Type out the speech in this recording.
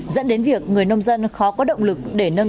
dẫn đến việc người nông dân khó có động lực để nâng